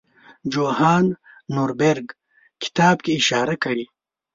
جوهان نوربیرګ کتاب کې اشاره کړې.